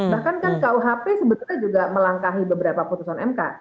bahkan kan kuhp sebetulnya juga melangkahi beberapa putusan mk